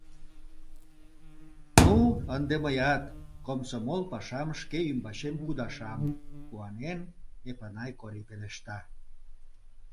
— Ну, ынде мыят комсомол пашам шке ӱмбачем кудашам! — куанен, Эпанай Кори пелешта.